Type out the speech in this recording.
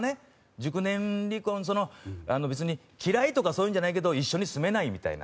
熟年離婚、別に嫌いとかそういうんじゃないけど、一緒に住めないみたいな。